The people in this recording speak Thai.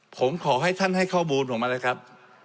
ผมขอให้ท่านให้ข้อมูลผมมาเลยครับ